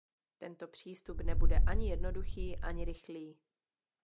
Tento přístup nebude ani jednoduchý, ani rychlý.